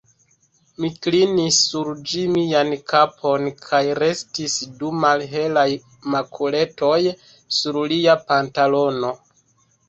Mi klinis sur ĝi mian kapon kaj restis du malhelaj makuletoj sur lia pantalono.